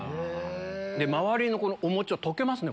周りのお餅溶けますね。